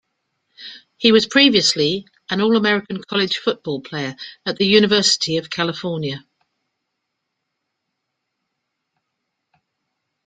He was previously an All-American college football player at the University of California.